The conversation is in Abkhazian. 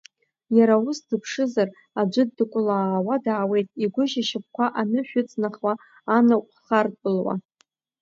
Иара ус дыԥшызар, аӡәы дыкәлаауа даауеит, игәыжь ашьапқәа анышә ыҵнахуа, анаҟә хартәылуа.